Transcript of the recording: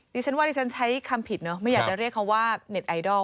ดิฉันว่าดิฉันใช้คำผิดเนอะไม่อยากจะเรียกเขาว่าเน็ตไอดอล